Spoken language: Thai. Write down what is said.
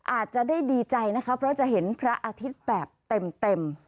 อาจจะได้ดีใจนะคะเพราะจะเห็นพระอาทิตย์แบบเต็ม